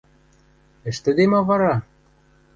Ӹштӹде ма вара?